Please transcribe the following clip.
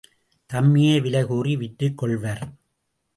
தம்மையே விலைகூறி விற்றுக் கொள்வர்.